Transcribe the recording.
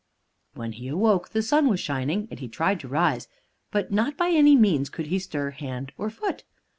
When he woke, the sun was shining, and he tried to rise; but not by any means could he stir hand or foot.